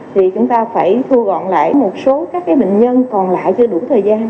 thì chúng ta phải thu gọn lại một số các bệnh nhân còn lại chưa đủ thời gian